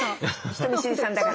人見知りさんだから。